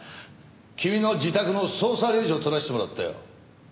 君の自宅の捜査令状を取らせてもらったよ。